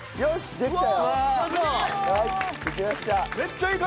できた！